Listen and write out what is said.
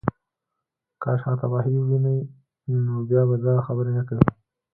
کاش هغه تباهۍ ووینې نو بیا به دا خبرې نه کوې